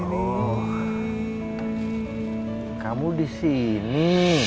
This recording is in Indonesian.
oh kamu di sini